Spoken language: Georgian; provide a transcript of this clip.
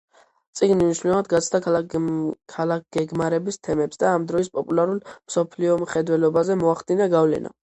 წიგნი მნიშვნელოვნად გაცდა ქალაქგეგმარების თემებს და ამ დროის პოპულარულ მსოფლმხედველობაზე მოახდინა გავლენა.